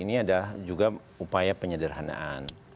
ini ada juga upaya penyederhanaan